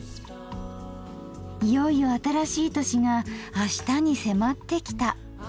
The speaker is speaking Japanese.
いよいよ新しい年があしたに迫ってきた。